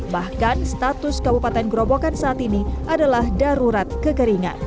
bahkan status kabupaten gerobokan saat ini adalah darurat kekeringan